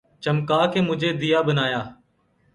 چمکا کے مجھے دیا بنا یا